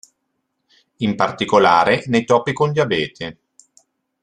In particolare, nei topi con diabete.